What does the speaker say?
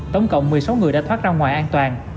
tổng cộng một mươi sáu người đã thoát ra ngoài an toàn